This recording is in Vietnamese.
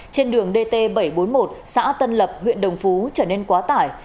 trên đường dt bảy trăm bốn mươi một xã tân lập huyện đồng phú trở nên quá tải